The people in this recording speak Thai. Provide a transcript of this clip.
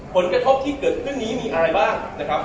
ผลกระทบที่เกิดขึ้นนี้มีอะไรบ้างนะครับ